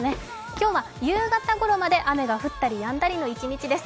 今日は夕方ごろまで雨が降ったりやんだりの一日です。